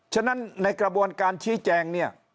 ฉะนั้นในกระบวนการชี้แจงเนี่ย